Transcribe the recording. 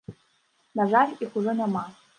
На жаль, іх ужо няма.